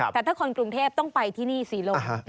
แต่ถ้าคนกรุงเทพต้องไปที่นี่ศรีลม